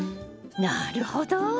なるほど！